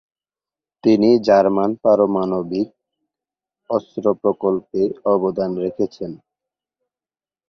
তিনি জার্মান পারমাণবিক অস্ত্র প্রকল্পে অবদান রেখেছেন।